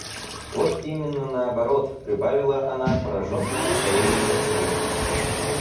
Вот именно наоборот, — прибавила она, пораженная своею мыслью.